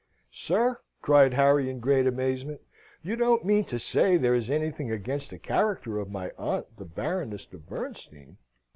"Sir," cried Harry, in great amazement, "you don't mean to say there is anything against the character of my aunt, the Baroness de Bernstein!"